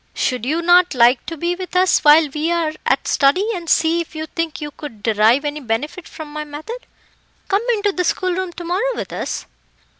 "Should you not like to be with us while we are at study, and see if you think you could derive any benefit from my method? Come into the schoolroom to morrow with us?"